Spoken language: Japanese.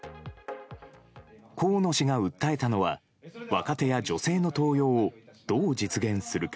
河野氏が訴えたのは若手や女性の登用をどう実現するか。